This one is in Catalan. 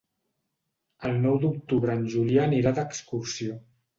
El nou d'octubre en Julià anirà d'excursió.